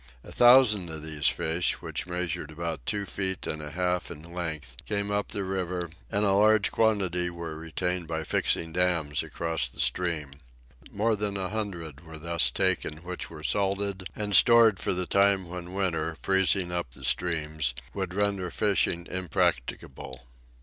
A thousand of these fish, which measured about two feet and a half in length, came up the river, and a large quantity were retained by fixing dams across the stream. More than a hundred were thus taken, which were salted and stored for the time when winter, freezing up the streams, would render fishing impracticable.